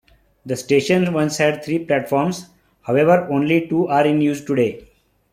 The station once had three platforms, however only two are in use today.